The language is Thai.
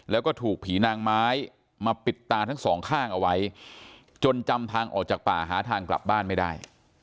แล้วก็ถูกผีนางไม้มาปิดตาทั้งสองข้างเอาไว้จนจำทางออกจากป่าหาทางกลับบ้านไม่ได้